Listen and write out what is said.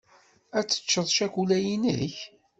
Ad teččeḍ cakula-inek.